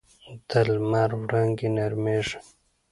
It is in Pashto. د لمر وړانګې نرمېږي